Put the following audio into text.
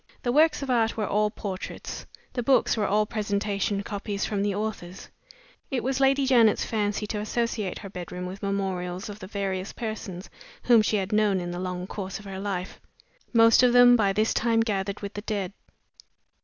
The works of art were all portraits; the books were all presentation copies from the authors. It was Lady Janet's fancy to associate her bedroom with memorials of the various persons whom she had known in the long course of her life all of them more or less distinguished, most of them, by this time, gathered with the dead.